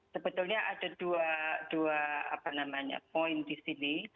sebetulnya ada dua poin di sini